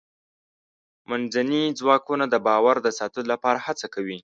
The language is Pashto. منځني ځواکونه د باور د ساتلو لپاره هڅه کوي.